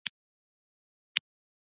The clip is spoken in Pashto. مصنوعي ځیرکتیا د څارنې کچه لوړه وي.